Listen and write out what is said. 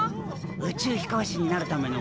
宇宙飛行士になるための訓練じゃ。